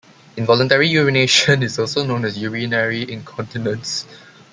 Involuntary urination is also known as urinary incontinence.